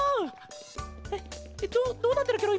えっどうどうなってるケロ？